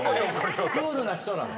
クールな人なの。